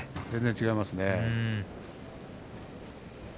全然違いますね。